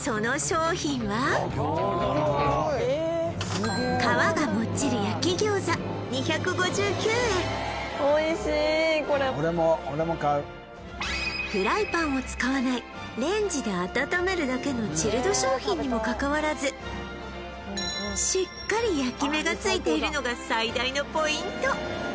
その商品はフライパンを使わないレンジで温めるだけのチルド商品にもかかわらずしっかり焼き目がついているのが最大のポイント